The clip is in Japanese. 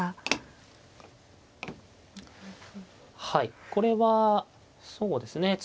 はいこれはそうですね